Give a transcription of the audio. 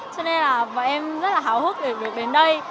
cho nên là em rất là hào hức để được đến đây